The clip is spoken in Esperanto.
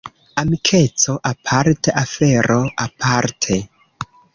Amikeco aparte, afero aparte.